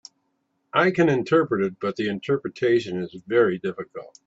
I can interpret it, but the interpretation is very difficult.